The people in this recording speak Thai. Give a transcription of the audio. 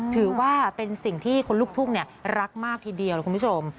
ถือว่าเป็นสิ่งที่คนลูกทุ่งรักมากทีเดียวคุณผู้ชม